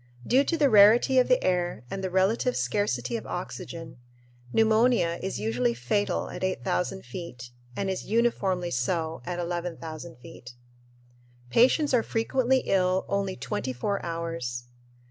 Due to the rarity of the air and relative scarcity of oxygen, pneumonia is usually fatal at 8000 feet and is uniformly so at 11,000 feet. Patients are frequently ill only twenty four hours.